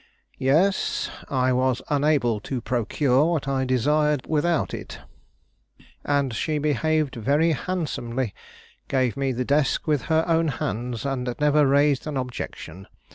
"Yes; I was unable to procure what I desired without it. And she behaved very handsomely, gave me the desk with her own hands, and never raised an objection.